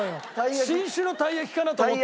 新種のたい焼きかなと思ったの。